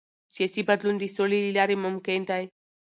سیاسي بدلون د سولې له لارې ممکن دی